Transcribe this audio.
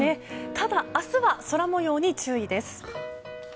ただ、明日は空模様に注意です。